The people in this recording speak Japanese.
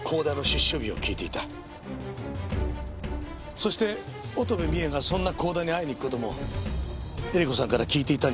そして乙部美栄がそんな甲田に会いに行く事も英理子さんから聞いていたんじゃありませんか？